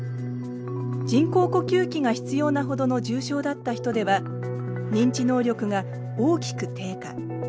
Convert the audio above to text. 人工呼吸器が必要なほどの重症だった人では認知能力が大きく低下。